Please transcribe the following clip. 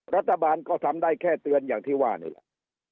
รัฐบาลก็ทำได้แค่เตือนอย่างที่ว่านี่แหละ